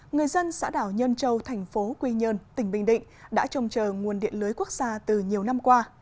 người dân xã đảo nhân châu thành phố quy nhơn tỉnh bình định đã trông chờ nguồn điện lưới quốc gia từ nhiều năm qua